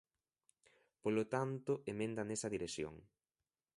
Polo tanto, emenda nesa dirección.